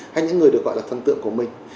hay những người được gọi là thần tượng của mình